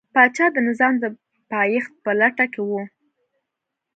پاچا د نظام د پایښت په لټه کې و.